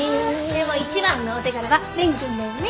でも一番のお手柄は蓮くんだよね？